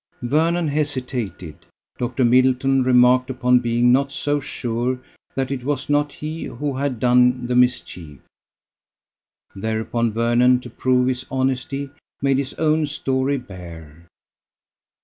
Vernon hesitated. Dr. Middleton remarked upon being not so sure that it was not he who had done the mischief. Thereupon Vernon, to prove his honesty, made his own story bare.